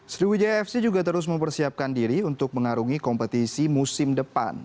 sriwijaya fc juga terus mempersiapkan diri untuk mengarungi kompetisi musim depan